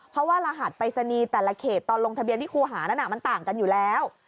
เพราะว่ารหัสปริศนีย์แต่ละเขตตอนลงทะเบียนที่ครูหานั้นมันต่างกันอยู่แล้ว